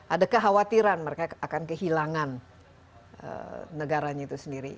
ada kekhawatiran mereka akan kehilangan negaranya itu sendiri